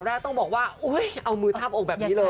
แล้วต้องบอกว่าอุ้ยเอามือทัพองแบบนี้เลย